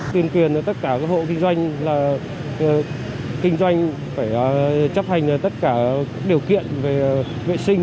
tuyên truyền cho tất cả các hộ kinh doanh là kinh doanh phải chấp hành tất cả điều kiện về vệ sinh